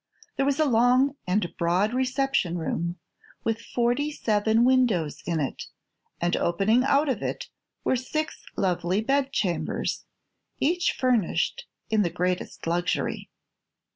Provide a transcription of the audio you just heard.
There was a long and broad reception room, with forty seven windows in it, and opening out of it were six lovely bedchambers, each furnished in the greatest luxury.